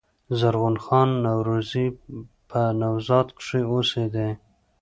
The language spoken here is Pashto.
زرغون خان نورزي په "نوزاد" کښي اوسېدﺉ.